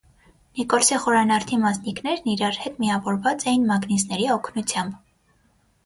Նիկոլսի խորանարդի մասնիկներն իրար հետ միավորված էին մագնիսների օգնությամբ։